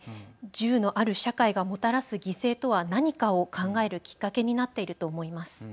銃のある社会がもたらす犠牲とは何かを考えるきっかけになっていると思います。